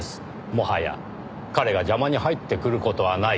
もはや彼が邪魔に入ってくる事はないと。